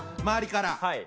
周りから？